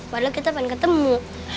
padahal kita pengen ketemu